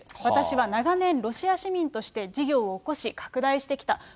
私は長年、ロシア市民として事業を起こし、拡大してきた。